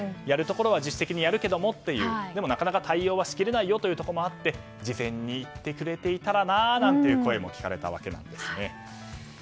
やるところは自主的にやるけどもでもなかなか対応はしきれないところもあって事前に言ってくれていたらなという声も聞かれたわけなんですね。